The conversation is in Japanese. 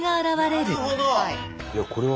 なるほど！